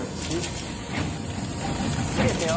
好きですよ。